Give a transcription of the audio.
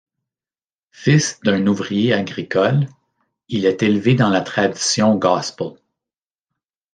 Fils d'un ouvrier agricole, il est élevé dans la tradition Gospel.